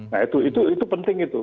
nah itu penting itu